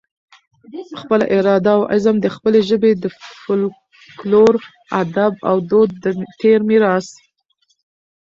خپله اراده اوعزم د خپلې ژبې د فلکلور، ادب اودود د تیر میراث